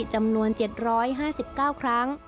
จำนวน๗๕๙ครั้ง